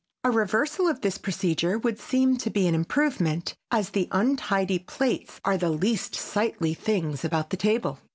A reversal of this procedure would seem to be an improvement as the untidy plates are the least sightly things about the table.